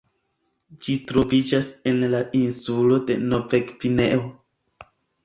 Ĝi troviĝas en la insulo de Novgvineo.